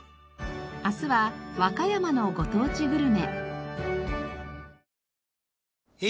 明日は和歌山のご当地グルメ。